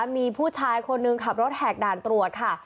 มีผู้ชายคนหนึ่งขับรถแหกด่านตรวจค่ะ